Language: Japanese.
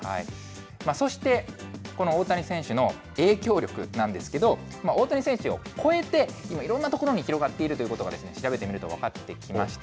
そしてこの大谷選手の影響力なんですけれども、大谷選手を超えて、今、いろんなところに広がっているということが、調べてみると分かってきました。